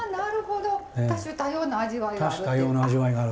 多種多様な味わいがある。